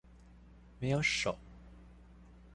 沒有手